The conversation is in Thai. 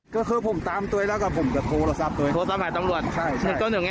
ก็คือผมตามตัวเองแล้วก็ผมก็โทรโทรศัพท์ตัวเอง